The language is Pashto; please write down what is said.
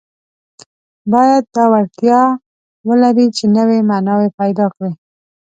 باید دا وړتیا ولري چې نوي معناوې پیدا کړي.